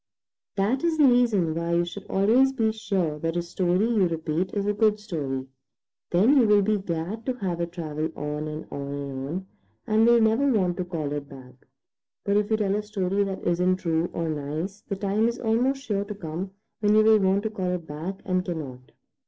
That is the reason why you should always be sure that a story you repeat is a good story. Then you will be glad to have it travel on and on and on, and will never want to call it back. But if you tell a story that isn't true or nice, the time is almost sure to come when you will want to call it back and cannot.